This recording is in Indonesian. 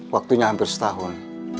waktunya hampir setahun